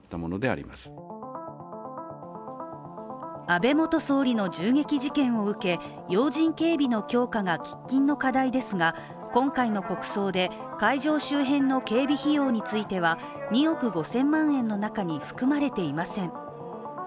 安倍元総理の銃撃事件を受け、要人警護の強化が喫緊の課題ですが今回の国葬で会場周辺の警備費用については２億５０００万円の中に含まれていません。